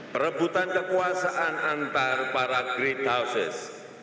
perebutan kekuasaan antar para great houses